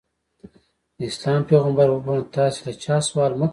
د اسلام پیغمبر وفرمایل تاسې له چا سوال مه کوئ.